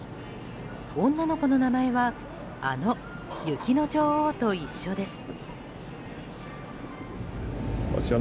女の子の名前はあの雪の女王と一緒です。